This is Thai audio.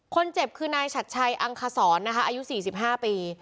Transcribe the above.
คนเจ็บคือนายชัดชัยอัมฆส่อนอายุ๑๕ปี